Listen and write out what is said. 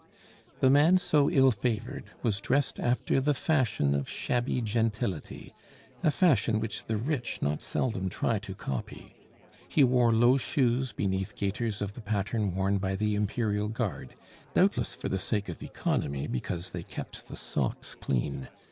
The man so ill favored was dressed after the fashion of shabby gentility, a fashion which the rich not seldom try to copy. He wore low shoes beneath gaiters of the pattern worn by the Imperial Guard, doubtless for the sake of economy, because they kept the socks clean.